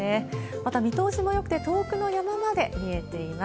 また、見通しもよくて、遠くの山まで見えています。